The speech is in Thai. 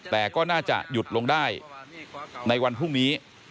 แต่ก็น่าจะหยุดลงได้ในวันพรุ่งนี้